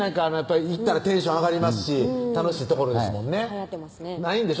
行ったらテンション上がりますし楽しい所ですもんねないんでしょ？